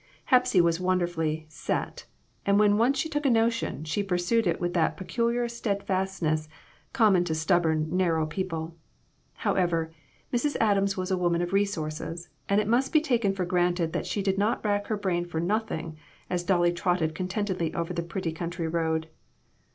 Hepsy was wonder fully "set," and when once she took a notion, she pursued it with that peculiar steadfastness com mon to stubborn, narrow people. However, Mrs. Adams was a woman of resources, and it must be taken for granted that she did not rack her brain for nothing as Dolly trotted contentedly over the pretty country road.